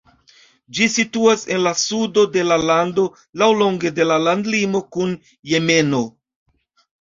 Ĝi situas en la sudo de la lando laŭlonge de la landlimo kun Jemeno.